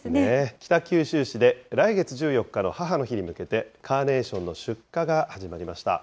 北九州市で来月１４日の母の日に向けて、カーネーションの出荷が始まりました。